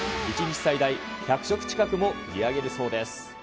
１日最大１００食近くも売り上げるそうです。